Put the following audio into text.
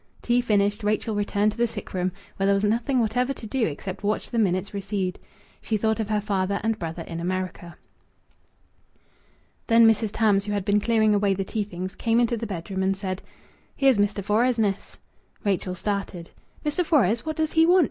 Tea finished, Rachel returned to the sick room, where there was nothing whatever to do except watch the minutes recede. She thought of her father and brother in America. Then Mrs. Tams, who had been clearing away the tea things, came into the bedroom and said "Here's Mr. Fores, miss." Rachel started. "Mr. Fores! What does he want?"